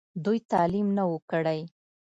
دوي تعليم نۀ وو کړی